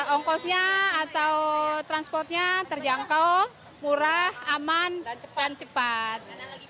ongkosnya atau transportnya terjangkau murah aman dan cepat cepat